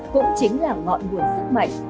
cũng chính là ngọn nguồn sức mạnh